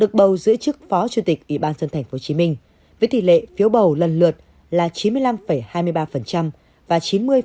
được bầu giữ chức phó chủ tịch ubnd tp hcm với tỷ lệ phiếu bầu lần lượt chín mươi năm hai mươi ba và chín mươi bốn